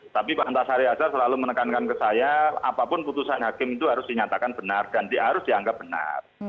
tapi pak antasari azhar selalu menekankan ke saya apapun putusan hakim itu harus dinyatakan benar dan harus dianggap benar